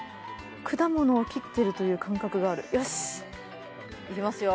果物を切ってるという感覚があるよしっいきますよ